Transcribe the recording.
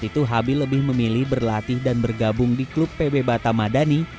saat itu habil lebih memilih berlatih dan bergabung di klub pb batamadani